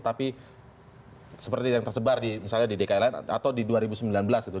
tapi seperti yang tersebar misalnya di dki lain atau di dua ribu sembilan belas gitu